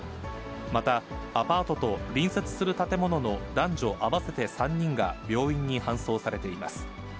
また、アパートと隣接する建物の男女合わせて３人が病院に搬送されています。